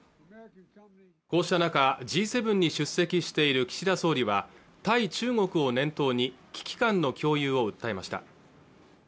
こうした中Ｇ７に出席している岸田総理は対中国を念頭に危機感の共有を訴えました